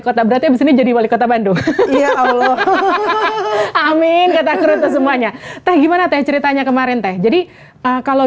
kota berarti bisa jadi wali kota bandung amin semuanya gimana ceritanya kemarin teh jadi kalau